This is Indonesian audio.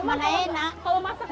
kalau masak gak pakai arsik